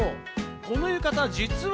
この浴衣、実は。